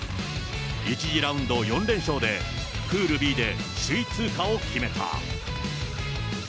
１次ラウンド４連勝で、プールＢで首位通過を決めた。